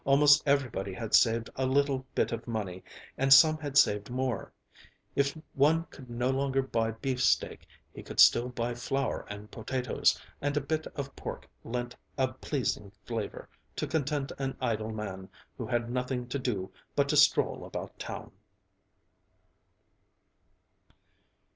Almost everybody had saved a little bit of money and some had saved more; if one could no longer buy beefsteak he could still buy flour and potatoes, and a bit of pork lent a pleasing flavor, to content an idle man who had nothing to do but to stroll about town.